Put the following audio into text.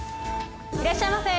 いらっしゃいませ。